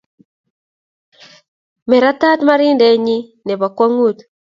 Meretat marindet nyi ne po kwong'ut.